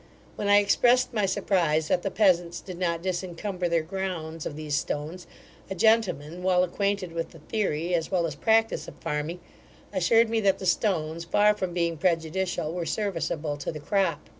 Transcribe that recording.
When I expressed my surprize that the peasants did not disencumber their grounds of these stones; a gentleman, well acquainted with the theory as well as practice of farming, assured me that the stones, far from being prejudicial, were serviceable to the crop.